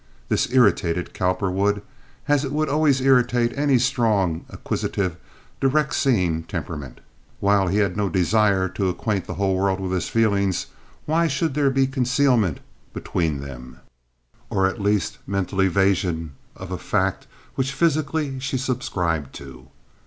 This irritated Cowperwood, as it would always irritate any strong, acquisitive, direct seeing temperament. While he had no desire to acquaint the whole world with his feelings, why should there be concealment between them, or at least mental evasion of a fact which physically she subscribed to?